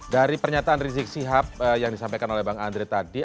dari pernyataan rizik sihab yang disampaikan oleh bang andre tadi